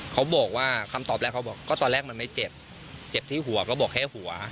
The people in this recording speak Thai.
เขาบอกว่าคำตอบแรกเขาบอกก็ตอนแรกมันไม่เจ็บเจ็บที่หัวก็บอกแค่หัว